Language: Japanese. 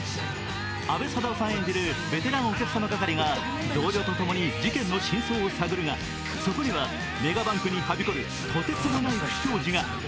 阿部サダヲさん演じるベテランお客様係が同僚とともに事件の真相を探るが、そこにはメガバンクにはびこるとてつもない不祥事が。